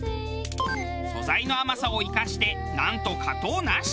素材の甘さを生かしてなんと加糖なし。